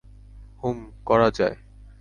হুম, করা যায়।